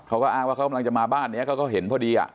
เขาก็อ้างว่าเขากำลังจะมาบ้านนี้เขาก็เห็นพอดี